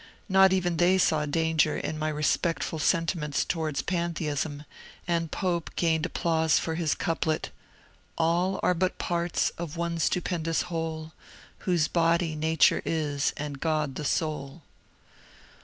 Not even they saw danger in my respectful sentiments towards Pantheism, and Pope gained applause for his couplet :— All are bat parts of one stupendous whole Whose body Nature is and God the soul.